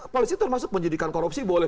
polisi termasuk penyidikan korupsi boleh